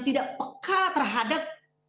tidak peka terhadap